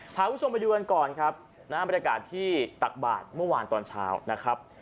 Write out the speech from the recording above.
พาคุณผู้ชมไปดูกันก่อนครับนะฮะบรรยากาศที่ตักบาทเมื่อวานตอนเช้านะครับ